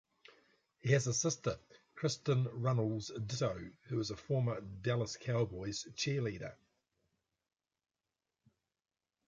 He has a sister, Kristin Runnels Ditto, who is a former Dallas Cowboys Cheerleader.